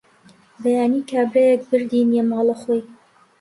بەیانی کابرایەک بردینیە ماڵە خۆی